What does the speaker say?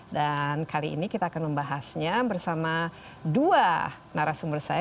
dan kali ini kita akan membahasnya bersama dua narasumber saya